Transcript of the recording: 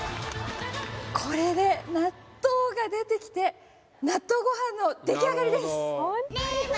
これで納豆が出てきて納豆ご飯の出来上がりです